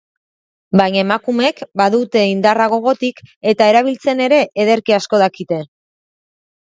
Baina emakumeek badute indarra gogotik eta erabiltzen ere ederki asko dakite.